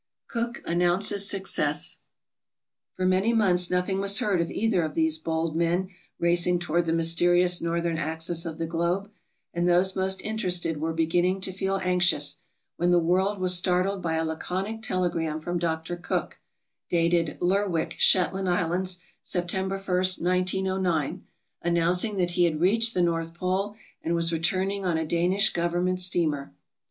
Cook announces Success For many months nothing was heard of either of these bold men racing toward the mysterious northern axis of the globe, and those most interested were beginning to feel anxious, when the world was startled by a laconic telegram from Dr. Cook, dated Lerwick, Shetland Islands, September 1, 1909, announcing that he had reached the north pole and was returning on a Danish government steamer.